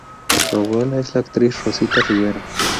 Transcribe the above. Su abuela es la actriz Rosita Rivera.